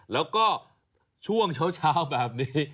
แล้วก็ช่วงเช้าแบบนี้